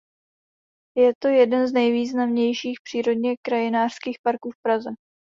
Je to jeden z nejvýznamnějších přírodně krajinářských parků v Praze.